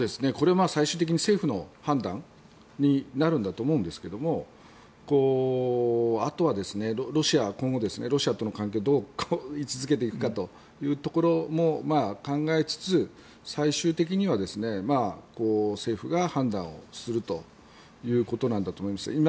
最終的に政府の判断になるんだと思うんですけどもあとは、今後ロシアとの関係をどう位置付けていくかというところも考えつつ最終的には政府が判断をするということなんだと思います。